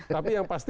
tapi yang pasti